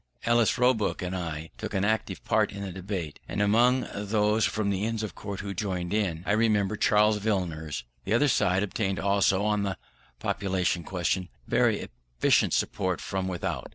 Ellis, Roebuck, and I took an active part in the debate, and among those from the Inns of Court who joined in it, I remember Charles Villiers. The other side obtained also, on the population question, very efficient support from without.